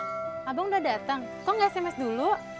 loh abang udah dateng kok nggak sms dulu